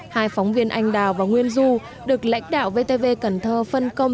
hai phóng viên anh đào và nguyên du được lãnh đạo vtv cần thơ phân công